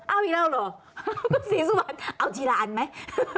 เอาอีกแล้วเหรอคุณศรีสุวรรณเอาทีละอันไหม